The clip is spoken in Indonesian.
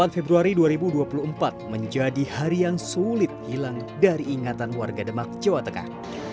dua puluh februari dua ribu dua puluh empat menjadi hari yang sulit hilang dari ingatan warga demak jawa tengah